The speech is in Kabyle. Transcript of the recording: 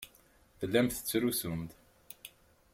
Tellam tettrusum-d.